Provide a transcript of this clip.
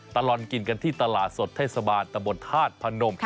ตลอดกินกันที่ตลาดสดเทศบาลตะบนธาตุพนม